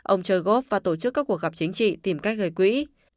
ông chơi góp và tổ chức các cuộc gặp chính trị tìm cách gây quỹ